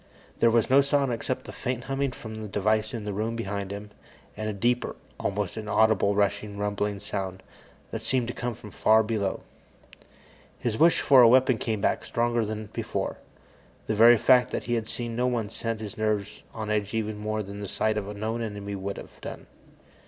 There was no sound except the faint humming from the device in the room behind him, and a deeper, almost inaudible, rushing, rumbling sound that seemed to come from far below. His wish for a weapon came back, stronger than before. The very fact that he had seen no one set his nerves on edge even more than the sight of a known enemy would have done.